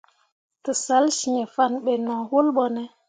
Tǝsalsyiŋfanne be no wul ɓo ne.